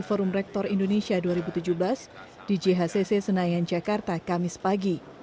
forum rektor indonesia dua ribu tujuh belas di jhcc senayan jakarta kamis pagi